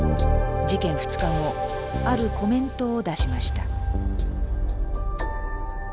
事件２日後あるコメントを出しました。